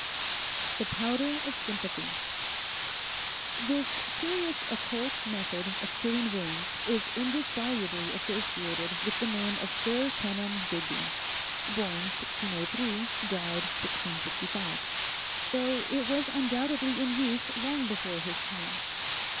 THE POWDER OF SYMPATHY HIS curious occult method of curing wounds is indissolubly associated with the name of Sir Kenelm Digby (born 1603, died 1665), though it was undoubtedly in use long before his time.